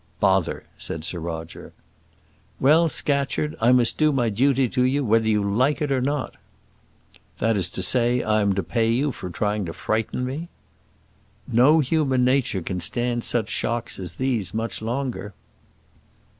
"Bother," said Sir Roger. "Well, Scatcherd; I must do my duty to you, whether you like it or not." "That is to say, I am to pay you for trying to frighten me." "No human nature can stand such shocks as these much longer."